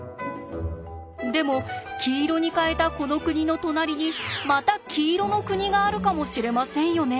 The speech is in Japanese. でも黄色に変えたこの国の隣にまた黄色の国があるかもしれませんよね。